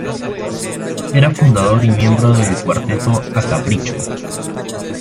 Era fundador y miembro del cuarteto ‘A Capricho’.